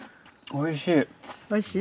おいしい。